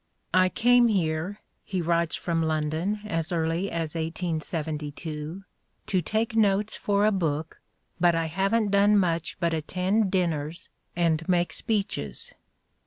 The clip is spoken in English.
"I came here," he writes from London as early as 1872, "to take notes for a book, but I haven 't done much but attend dinners and make speeches.